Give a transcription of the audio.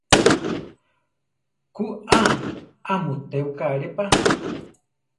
Ku á a mu tébuka aré pa.